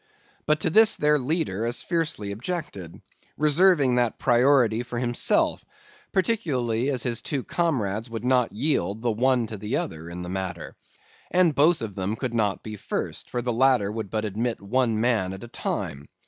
But to this their leader as fiercely objected, reserving that priority for himself; particularly as his two comrades would not yield, the one to the other, in the matter; and both of them could not be first, for the ladder would but admit one man at a time.